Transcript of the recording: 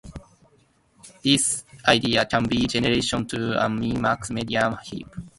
This idea can be generalised to a min-max-median heap.